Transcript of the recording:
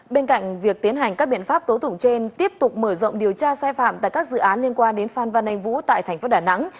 bên cạnh việc tiến hành các biện pháp tố tụng trên tiếp tục mở rộng điều tra sai phạm tại các dự án liên quan đến phan văn anh vũ tại tp đà nẵng